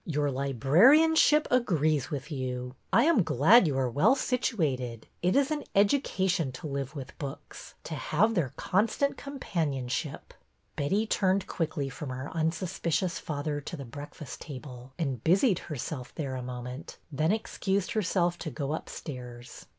'' Your librarianship agrees with you. I am glad you are well situated. It is an education to live with books, to have their con stant companionship." Betty turned quickly from her unsuspicious father to the breakfast table and busied herself there a moment, then excused herself to go up stairs.